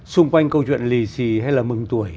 xung quanh câu chuyện lì xì hay là mừng tuổi